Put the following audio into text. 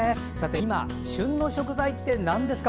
今、旬の食材って何ですか？